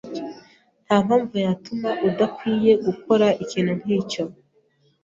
Ntampamvu yatuma udakwiye gukora ikintu nkicyo.